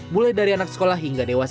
mulai dari anak sekolah hingga dewasa